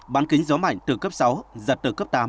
bán kính gió mạnh từ cấp sáu giật từ cấp tám